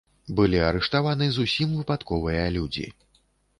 Былі арыштаваны зусім выпадковыя людзі.